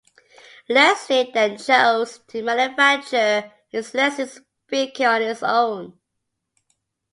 Leslie then chose to manufacture his Leslie speaker on his own.